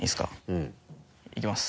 うん。いきます。